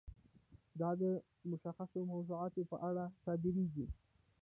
دا د مشخصو موضوعاتو په اړه صادریږي.